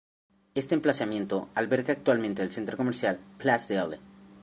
Este emplazamiento alberga actualmente el centro comercial Place des Halles.